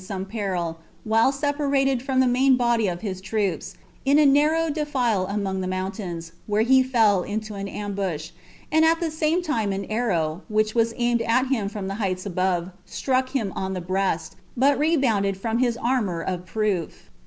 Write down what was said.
some peril, while separated from lin body of his troops, in a narrow defile among the mountains, he fell into an ambush, and at the same time an arrow, which med at him from the heights above, struck him on the breast, but ided from his armour of proof.